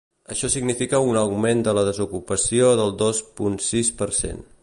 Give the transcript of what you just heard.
Això significa un augment de la desocupació del dos punt sis per cent.